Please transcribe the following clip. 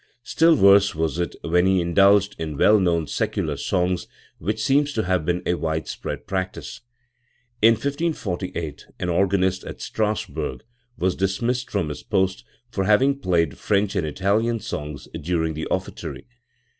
Still worse was it when he indulged in well known secular songs, which seems to have been a wide spread practice. In 1548 an organist in Strassburg was dismissed from his post for having played French and Italian songs during the offertory .